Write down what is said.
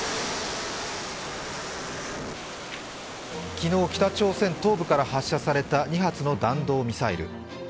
昨日、北朝鮮東部から発射された２発の弾道ミサイル。